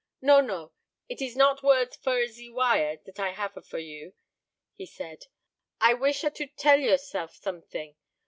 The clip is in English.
"No, no; it ees not words for a ze wire zat I have a for you," he said. "I wish a to tell to yourself something.